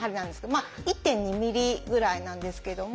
まあ１．２ｍｍぐらいなんですけども。